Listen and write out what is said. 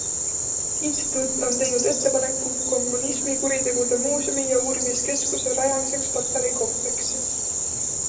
Instituut on teinud ettepaneku kommunismikuritegude muuseumi ja uurimiskeskuse rajamiseks Patarei kompleksi.